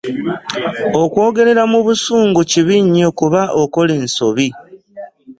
Okwogerera mu busungu kibi nnyo kuba okola ensobi.